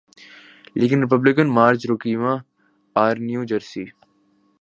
لیکن Republican Marge Roukema R New Jersey